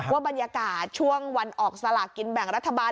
บรรยากาศช่วงวันออกสลากกินแบ่งรัฐบาล